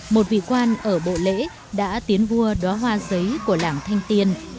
một vị quan ở bộ lễ đã tiến vua đoa hoa giấy của làng thanh tiên